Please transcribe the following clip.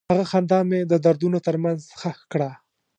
هغه خندا مې د دردونو تر منځ ښخ کړه.